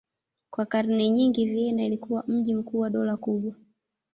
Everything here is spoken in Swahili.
Kwa karne nyingi Vienna ilikuwa mji mkuu wa dola kubwa.